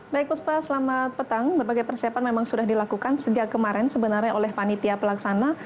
baik puspa selamat petang berbagai persiapan memang sudah dilakukan sejak kemarin sebenarnya oleh panitia pelaksana